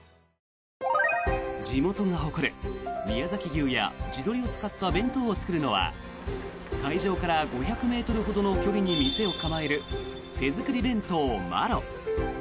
地元が誇る宮崎牛や地鶏を使った弁当を作るのは会場から５００ｍほどの距離に店を構える手作り弁当、マロ。